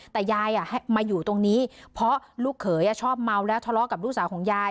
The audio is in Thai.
แต่ยายมาอยู่ตรงนี้เพราะลูกเขยชอบเมาแล้วทะเลาะกับลูกสาวของยาย